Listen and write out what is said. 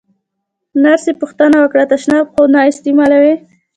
نرسې پوښتنه وکړه: تشناب خو نه استعمالوې؟